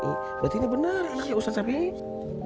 berarti ini benar ya usaha sapi ini